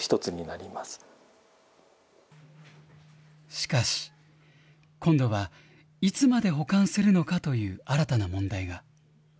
しかし、今度はいつまで保管するのかという新たな問題が。